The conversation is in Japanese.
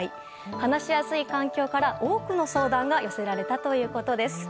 話しやすい環境から多くの相談が寄せられたということです。